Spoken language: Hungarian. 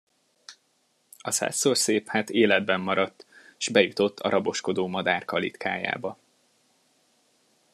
A százszorszép hát életben maradt, s bejutott a raboskodó madár kalitkájába.